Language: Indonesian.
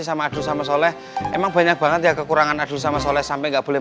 sama adul sama soleh emang banyak banget ya kekurangan adul sama soleh sampai nggak boleh